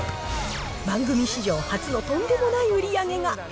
番組史上初のとんでもない売り上げが。